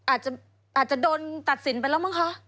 อาจจะอาจจะโดนตัดสินไปแล้วเหมือนคะ